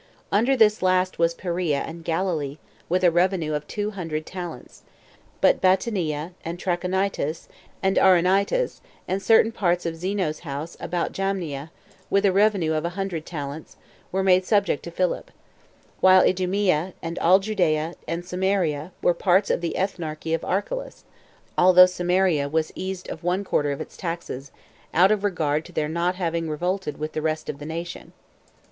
Under this last was Perea and Galilee, with a revenue of two hundred talents; but Batanea, and Trachonitis, and Auranitis, and certain parts of Zeno's house about Jamnia, with a revenue of a hundred talents, were made subject to Philip; while Idumea, and all Judea, and Samaria were parts of the ethnarchy of Archelaus, although Samaria was eased of one quarter of its taxes, out of regard to their not having revolted with the rest of the nation.